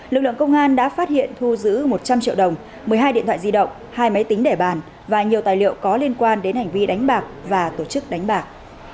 lực lượng công an đã phát hiện thu giữ một trăm linh triệu đồng một mươi hai điện thoại di động hai máy tính để bàn và nhiều tài liệu có liên quan đến hành vi đánh bạc và tổ chức đánh bạc